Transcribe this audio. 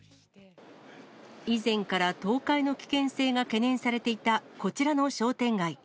以前から倒壊の危険性が懸念されていたこちらの商店街。